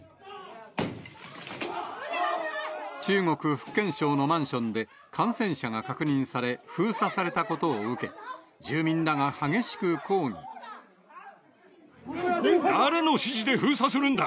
中国・福建省のマンションで感染者が確認され、封鎖されたことを誰の指示で封鎖するんだ。